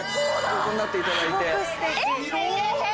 横になっていただいて。